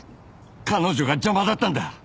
彼女が邪魔だったんだ。